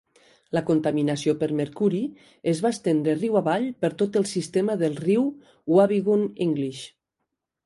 La contaminació per mercuri es va estendre riu avall per tot el sistema del riu Wabigoon-English.